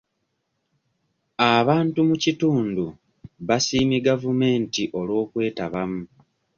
Abantu mu kitundu basiimye gavumenti olw'okwetabamu.